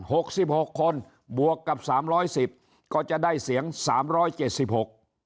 หกสิบหกคนบวกกับสามร้อยสิบก็จะได้เสียงสามร้อยเจ็ดสิบหก